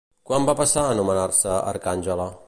Quan va passar a anomenar-se Arcàngela?